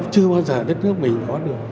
chưa bao giờ đất nước mình có được cơ đồ